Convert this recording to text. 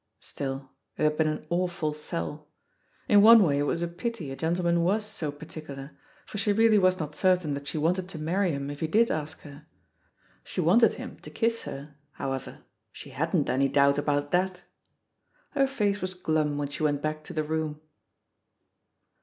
Still, it had been an awful sell I In one way it was a pity a gentleman was so particular, for she really was not certain that she wanted to marry him if he did ask her. She wanted him to kiss her, however — she hadn't any doubt about that. Her face was glum when she went back to the room.